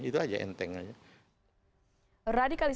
itu saja entengnya